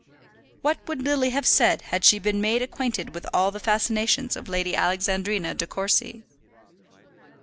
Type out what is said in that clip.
What would Lily have said had she been made acquainted with all the fascinations of Lady Alexandrina De Courcy?